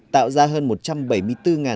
tạo ra hơn một trăm bảy mươi bốn đồng